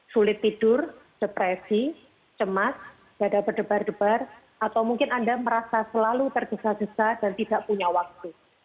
sulit tidur depresi cemas dada berdebar debar atau mungkin anda merasa selalu tergesa gesa dan tidak punya waktu